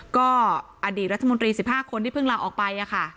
ก็อดีตรัฐมนตรี๑๕คนที่เพิ่งลาออกไป